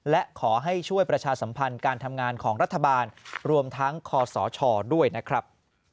และขอให้ช่วยประชาสัมพันธ์การทำงานของรัฐบาลรวมทั้งคศด้วยนะครับ